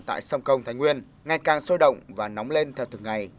tại sông công thành nguyên ngày càng sôi động và nóng lên theo thường ngày